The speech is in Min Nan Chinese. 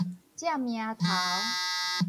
站贏頭